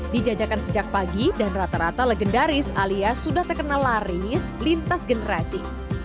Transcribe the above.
dijajakan sejak pagi dan rata rata legendaris alias sudah terkenal laris lintas generasi